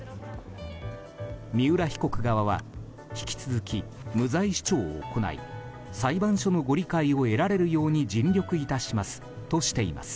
三浦被告の弁護人は引き続き無罪主張を行い裁判所のご理解を得られるように尽力いたしますとしています。